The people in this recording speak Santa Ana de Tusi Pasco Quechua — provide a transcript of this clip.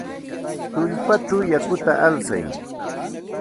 Tullpachaw yakuta alsay.